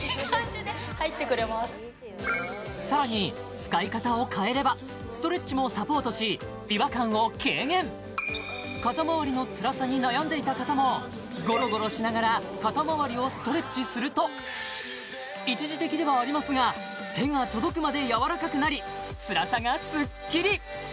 さらに使い方を変えればストレッチもサポートし違和感を軽減肩まわりのつらさに悩んでいた方もゴロゴロしながら肩まわりをストレッチすると一時的ではありますが手が届くまでやわらかくなりつらさがすっきり！